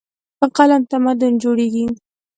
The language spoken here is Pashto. په قلم تمدن جوړېږي.